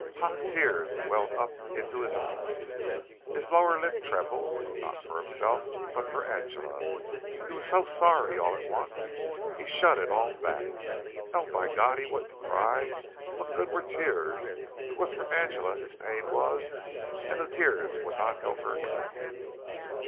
Hot tears welled up into his eyes, his lower lip trembled, not for himself, but for Angela. He was so sorry all at once. He shut it all back. No, by God, he wouldn't cry! What good were tears? It was for Angela his pain was, and tears would not help her now.